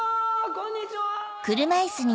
こんにちは！